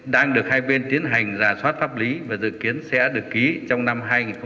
đang được hai bên tiến hành rà soát pháp lý và dự kiến sẽ được ký trong năm hai nghìn một mươi tám